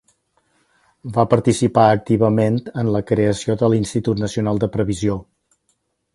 Va participar activament en la creació de l'Institut Nacional de Previsió.